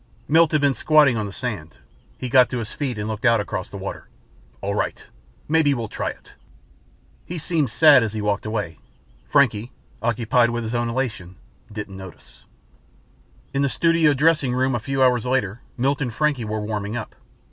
Milt had been squatting on the sand. He got to his feet and looked out across the water. "All right. Maybe we'll try it." He seemed sad as he walked away. Frankie, occupied with his own elation, didn't notice ...In the studio dressing room, a few hours later Milt and Frankie were warming up.